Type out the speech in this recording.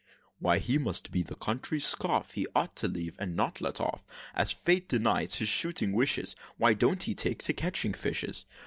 "Why, he must be the country's scoff! He ought to leave, and not let, off! As fate denies his shooting wishes, Why don't he take to catching fishes?